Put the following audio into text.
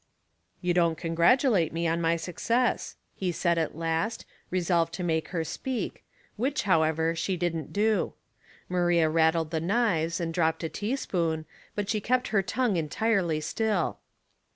" You don't congratulate me on my success," he said at last, resolved to make her speak, which however, she didn't do. Maria rattled the knives and dropped a teaspoon, but she kept her tongue entirely still.